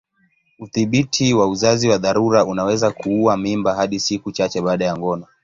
Udhibiti wa uzazi wa dharura unaweza kuua mimba hadi siku chache baada ya ngono.